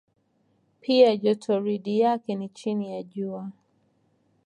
Pia jotoridi yake ni chini ya Jua.